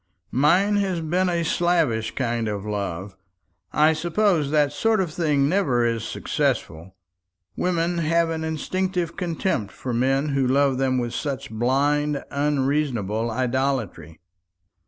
Mine has been a slavish kind of love. I suppose that sort of thing never is successful. Women have an instinctive contempt for men who love them with such blind unreasonable idolatry."